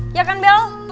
iya kan bel